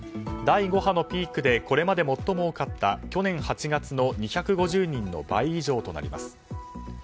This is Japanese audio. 第５波のピークでこれまで最も多かった去年８月の２５０人の倍以上となります。